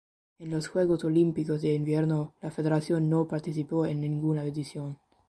En los Juegos Olímpicos de Invierno la federación no participó en ninguna edición.